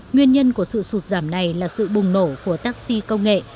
nguyên nhân của sự sụt giảm này là sự bùng nổ của taxi công nghệ